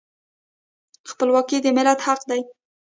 خپلواکي د ملت حق دی.